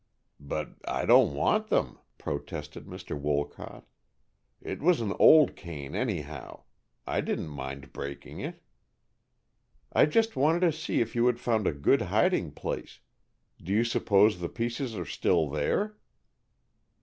"But I don't want them," protested Mr. Wolcott. "It was an old cane, anyhow. I didn't mind breaking it." "I just wanted to see if you had found a good hiding place. Do you suppose the pieces are still there?"